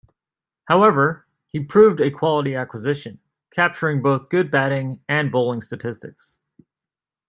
However, he proved a quality acquisition, capturing both good batting and bowling statistics.